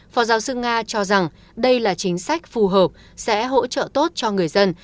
phó giáo sư nga cho rằng đây là chính sách phù hợp sẽ hỗ trợ tốt cho người dân